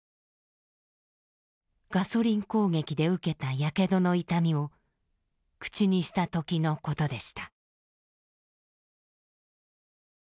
ガソリン攻撃で受けたやけどの痛みを口にしたときのことでした。